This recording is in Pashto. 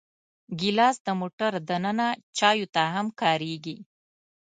ګیلاس د موټر دننه چایو ته هم کارېږي.